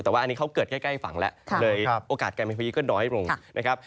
แต่ว่าอันนี้เขาเกิดใกล้ฝั่งแล้วเลยโอกาสการเป็นพายุก็น้อยลงนะครับ